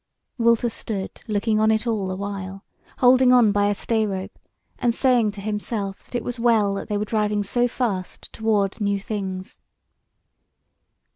Walter stood looking on it all awhile, holding on by a stay rope, and saying to himself that it was well that they were driving so fast toward new things.